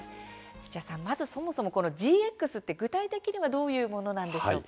土屋さん、まずそもそもＧＸって具体的にはどういうものなんですか？